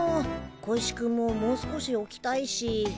小石君ももう少しおきたいし。